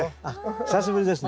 久しぶりですね。